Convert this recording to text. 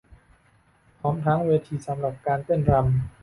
พร้อมทั้งเวทีสำหรับการเต้นรำ